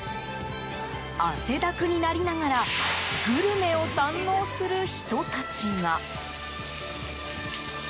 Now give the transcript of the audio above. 汗だくになりながらグルメを堪能する人たちが。